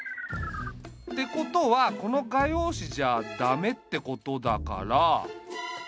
ってことはこの画用紙じゃ駄目ってことだから。